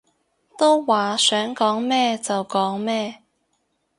都話想講咩就講咩